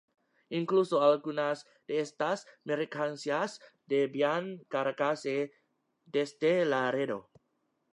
Incluso, algunas de estas mercancías debían cargarse desde Laredo.